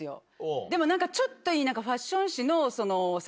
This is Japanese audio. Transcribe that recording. でもちょっといい。